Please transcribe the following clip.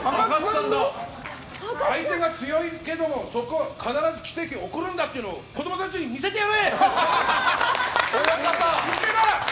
相手は強いけども必ず奇跡は起こるんだっていうのを子供たちに見せてやれ！